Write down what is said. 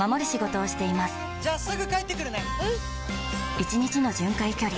１日の巡回距離